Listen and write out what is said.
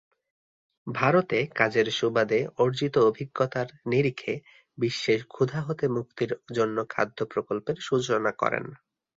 ভারতে কাজের সুবাদে অর্জিত অভিজ্ঞতার নিরিখে বিশ্বে "ক্ষুধা হতে মুক্তির" জন্য খাদ্য প্রকল্পের সূচনা করেন।